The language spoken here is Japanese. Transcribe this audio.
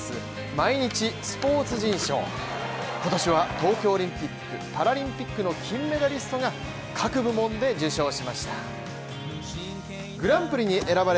毎日スポーツ人賞、今年は東京オリンピック・パラリンピックの金メダリストが各部門で受賞しました。